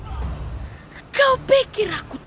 dan menangkap kake guru